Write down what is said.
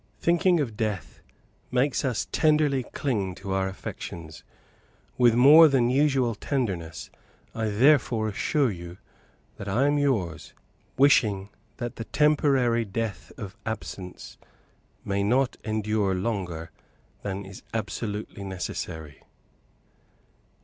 Thinking of death makes us tenderly cling to our affections; with more than usual tenderness I therefore assure you that I am yours, wishing that the temporary death of absence may not endure longer than is absolutely necessary.